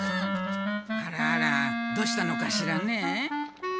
あらあらどうしたのかしらね。